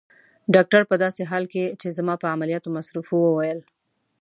ډاکټر په داسې حال کې چي زما په عملیاتو مصروف وو وویل.